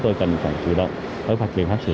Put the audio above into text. tôi cần phải chủ động với phạt biểu pháp sử dụng